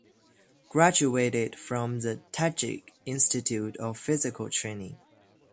Graduated from the Tajik Institute of Physical Training.